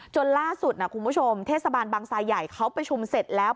จนล่าสุดคุณผู้ชมเทศบาลบังทรายใหญ่เขาประชุมเสร็จแล้ว